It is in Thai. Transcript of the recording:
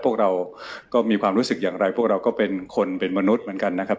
พวกเราก็มีความรู้สึกอย่างไรพวกเราก็เป็นคนเป็นมนุษย์เหมือนกันนะครับ